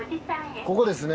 ここですね。